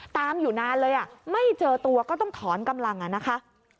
ตามอยู่นานเลยไม่เจอตัวก็ต้องถอนกำลังนะคะ